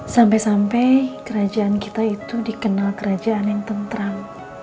sampai sampai kerajaan kita itu dikenal kerajaan yang tentram